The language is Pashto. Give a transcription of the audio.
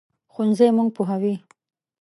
ښوونځی موږ پوهوي